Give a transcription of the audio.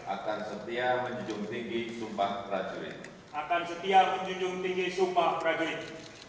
akan setia menjunjung tinggi sumpah prajurit